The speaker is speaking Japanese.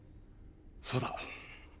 そうだ。